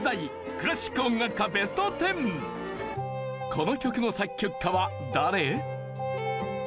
この曲の作曲家は誰？